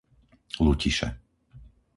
Lutiše